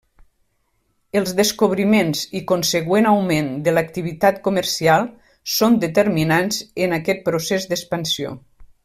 Els descobriments i consegüent augment de l'activitat comercial són determinants en aquest procés d'expansió.